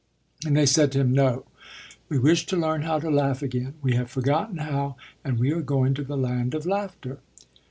And they said to him, "No, we wish to learn how to laugh again; we have forgotten how, and we are going to the Land of Laughter."